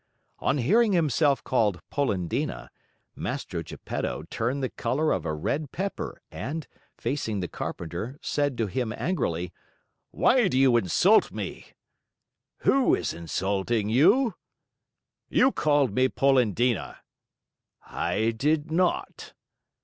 On hearing himself called Polendina, Mastro Geppetto turned the color of a red pepper and, facing the carpenter, said to him angrily: "Why do you insult me?" "Who is insulting you?" "You called me Polendina." "I did not."